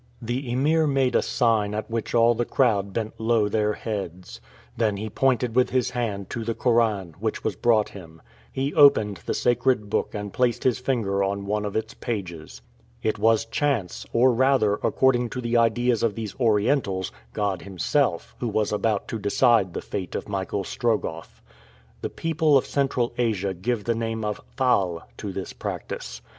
The Emir made a sign at which all the crowd bent low their heads. Then he pointed with his hand to the Koran, which was brought him. He opened the sacred book and placed his finger on one of its pages. It was chance, or rather, according to the ideas of these Orientals, God Himself who was about to decide the fate of Michael Strogoff. The people of Central Asia give the name of "fal" to this practice.